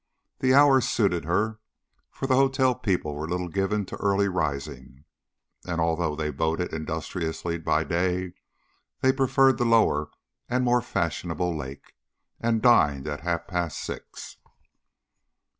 The hours suited her, for the hotel people were little given to early rising; and although they boated industriously by day, they preferred the lower and more fashionable lake, and dined at half past six.